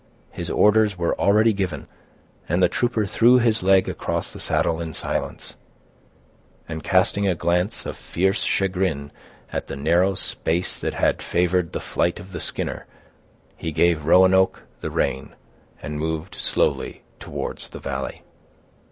His orders were already given, and the trooper threw his leg across the saddle, in silence; and, casting a glance of fierce chagrin at the narrow space that had favored the flight of the Skinner, he gave Roanoke the rein, and moved slowly towards the valley.